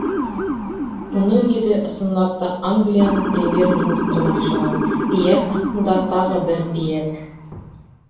Уның йөҙө, ысынлап та, Англияның премьер-министрына оҡшаған, эйәк аҫтында тағы бер эйәк.